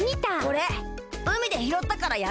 これうみでひろったからやるよ。